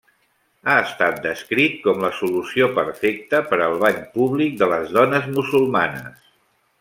Ha estat descrit com la solució perfecta per al bany públic de les dones musulmanes.